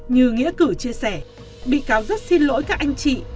như nghĩa cử chia sẻ bị cáo rất xin lỗi các anh chị